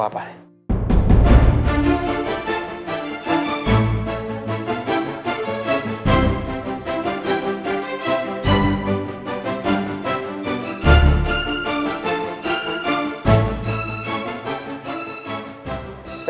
sam juga harus tau